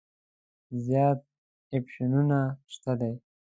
زیات اپشنونه شته دي.